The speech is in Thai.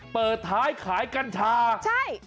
เปิดท้ายขายกัญชาใช่